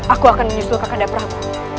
aku akan menyusul ke kandap prabu